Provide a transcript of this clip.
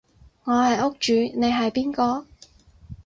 我係屋主你係邊個？